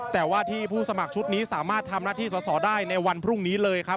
แต่ว่าที่ผู้สมัครชุดนี้สามารถทำหน้าที่สอสอได้ในวันพรุ่งนี้เลยครับ